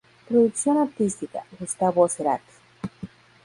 Producción artística: Gustavo Cerati.